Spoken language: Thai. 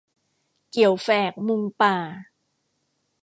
เกี่ยวแฝกมุงป่า